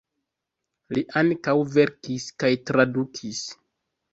Li ankaŭ verkis kaj tradukis.